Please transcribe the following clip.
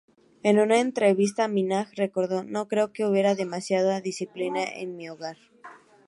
En una entrevista Minaj recordó, "no creo que hubiera demasiada disciplina en mi hogar.